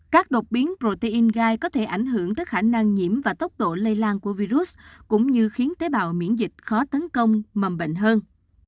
các đột biến protein gai có thể ảnh hưởng tới khả năng nhiễm và tốc độ lây lan của virus cũng như khiến tế bào miễn dịch khó tấn công mầm bệnh hơn